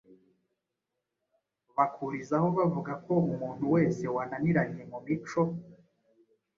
bakurizaho bavuga ko umuntu wese wananiranye mu mico